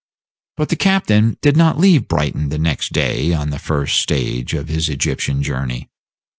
But the captain did not leave Brighton the next day on the first stage of his Egyptian journey.